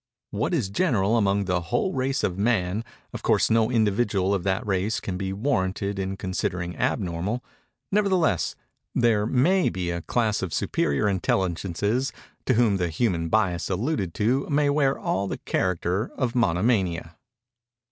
What is general among the whole race of Man, of course no individual of that race can be warranted in considering abnormal; nevertheless, there may be a class of superior intelligences, to whom the human bias alluded to may wear all the character of monomania.